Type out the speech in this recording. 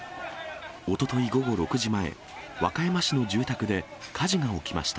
おととい午後６時前、和歌山市の住宅で火事が起きました。